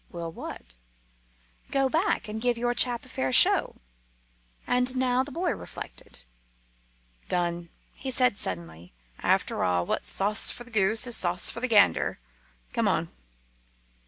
"Will what?" "Go back and give your chap a fair show." And now the boy reflected. "Done," he said suddenly. "After all, what's sauce for the goose is sauce for the gander. Come on."